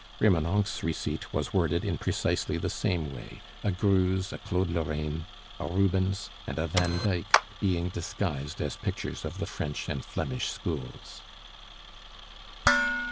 Remonencq's receipt was worded in precisely the same way; a Greuze, a Claude Lorraine, a Rubens, and a Van Dyck being disguised as pictures of the French and Flemish schools.